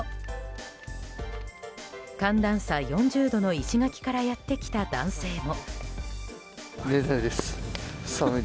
寒暖差４０度の石垣からやってきた男性も。